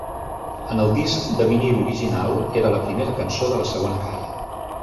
En el disc de vinil original era la primera cançó de la segona cara.